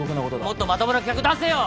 「もっとまともな企画出せよ！」